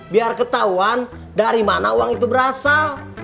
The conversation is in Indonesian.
biar ketahuan dari mana uang itu berasal